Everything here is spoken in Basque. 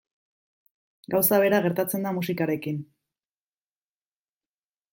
Gauza bera gertatzen da musikarekin.